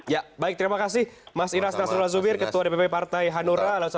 ya baik terima kasih mas inas nasrullah zubir ketua dpp partai hanura